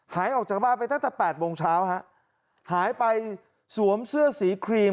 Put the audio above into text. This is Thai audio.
หายออกจากบ้านไปตั้งแต่แปดโมงเช้าฮะหายไปสวมเสื้อสีครีม